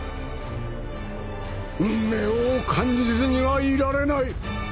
運命を感じずにはいられない